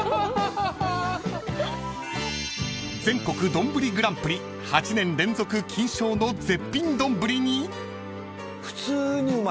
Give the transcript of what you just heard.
［全国丼グランプリ８年連続金賞の絶品丼に］